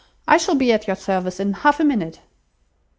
I shall be at your service in half a minute."